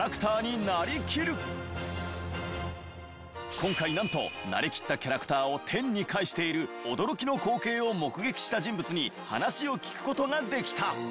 今回なんとなりきったキャラクターを天に返している驚きの光景を目撃した人物に話を聞く事ができた。